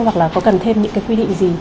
hoặc là có cần thêm những cái quy định gì